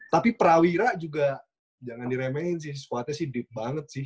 tapi prawira juga jangan diremehin sih sekuatnya sih deep banget sih